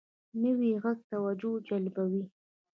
نوی غږ توجه جلبوي